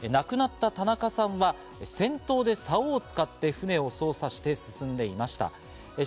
そして亡くなった田中さんは先頭で竿を使って、船を操作して進んでいました。